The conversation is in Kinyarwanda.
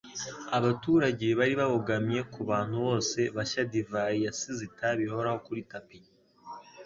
Abaturage bari babogamye kubantu bose bashyaDivayi yasize itabi rihoraho kuri tapi.